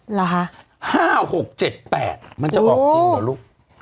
เหรอคะ๕๖๗๘มันจะออกจริงเหรอลูก